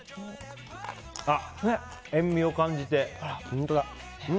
あ、塩みを感じて。